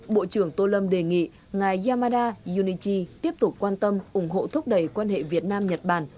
bộ trưởng tô lâm đề nghị ngài yamada junichi tiếp tục quan tâm ủng hộ thúc đẩy quan hệ việt nam nhật bản